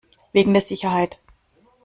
Wegen der Sicherheit.